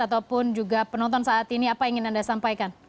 ataupun juga penonton saat ini apa yang ingin anda sampaikan